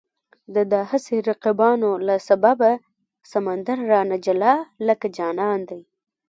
د دا هسې رقیبانو له سببه، سمندر رانه جلا لکه جانان دی